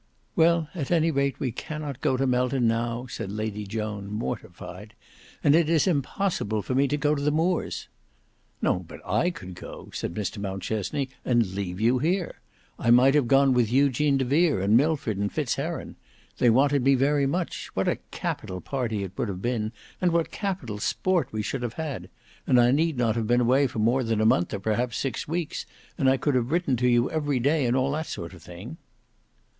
"Well, at any rate we cannot go to Melton now," said Lady Joan mortified; "and it is impossible for me to go to the Moors." "No, but I could go," said Mr Mountchesney, "and leave you here. I might have gone with Eugene de Vere and Milford and Fitz heron. They wanted me very much. What a capital party it would have been, and what capital sport we should have had! And I need not have been away for more than a month or perhaps six weeks, and I could have written to you every day and all that sort of thing."